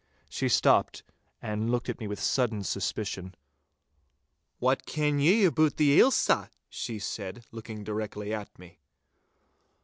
She stopped and looked at me with sudden suspicion. 'What ken ye aboot the Ailsa?' she asked, looking directly at me.